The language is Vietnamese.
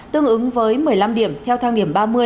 tương ứng với một mươi năm điểm theo thang điểm ba mươi